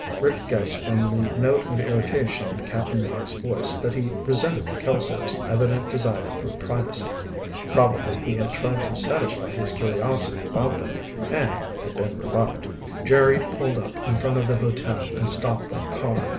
Rick guessed from the note of irritation in Cap'n Mike's voice that he resented the Kelsos' evident desire for privacy. Probably he had tried to satisfy his curiosity about them and had been rebuffed. Jerry pulled up in front of the hotel and stopped the car.